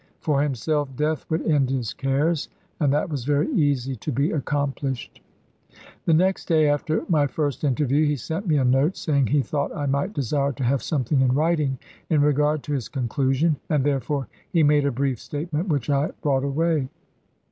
For himself, death would end his cares, and that was very easy to be accomplished. " The next day after my first interview he sent me a note, saying he thought I might desire to have something in writing in regard to his conclu sion, and therefore he made a brief statement which I brought away."